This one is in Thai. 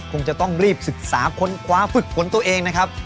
คงจะต้องรีบศึกษาค้นคว้าฝึกฝนตัวเองนะครับ